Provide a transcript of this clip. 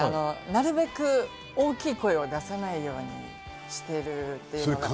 なるべく大きい声を出さないようにしています。